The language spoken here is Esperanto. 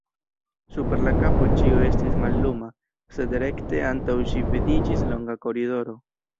Super la kapo ĉio estis malluma, sed rekte antaŭ ŝi vidiĝis longa koridoro.